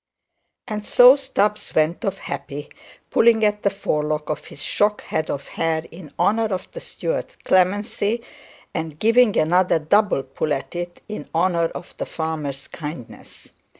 And so Stubbs went off happy, pulling at the forelock of his shock head of hair in honour of the steward's clemency, and giving another double pull at it in honour of the farmer's kindness.